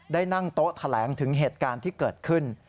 ได้นั่งโต๊ะแถลงถึงเหตุการณ์ที่เกิดขึ้น